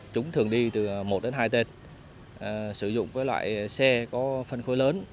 chúng thường đi từ một đến hai tên sử dụng loại xe có phân khối lớn